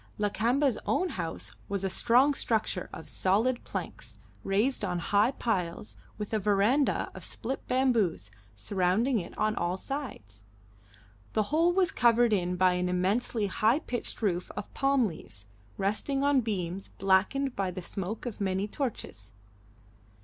Lakamba's own house was a strong structure of solid planks, raised on high piles, with a verandah of split bamboos surrounding it on all sides; the whole was covered in by an immensely high pitched roof of palm leaves, resting on beams blackened by the smoke of many torches.